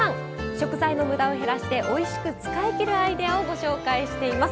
食材の無駄を減らしておいしく使いきるアイデアをご紹介しています。